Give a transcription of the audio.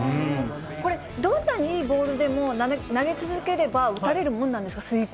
これ、どんなにいいボールでも、投げ続ければ打たれるもんなんですか？